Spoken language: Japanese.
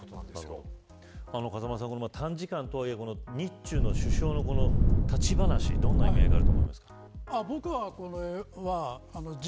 風間さん、短時間とはいえ日中の首相の立ち話、どんな意味合いがあると思いますか。